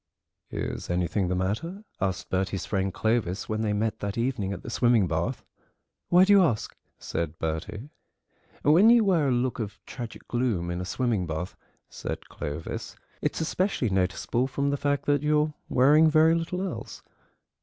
"Is anything the matter?" asked Bertie's friend Clovis when they met that evening at the swimming bath. "Why do you ask?" said Bertie. "When you wear a look of tragic gloom in a swimming bath," said Clovis, "it's especially noticeable from the fact that you're wearing very little else.